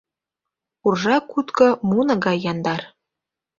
Уржа кутко муно гай яндар.